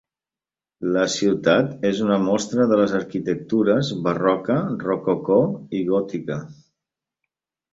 La ciutat és una mostra de les arquitectures Barroca, Rococó i Gòtica.